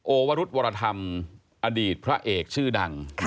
วรุธวรธรรมอดีตพระเอกชื่อดัง